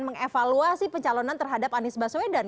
mengevaluasi pencalonan terhadap anies baswedan